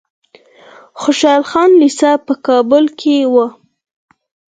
خوشحال خان لیسه په کابل کې وه.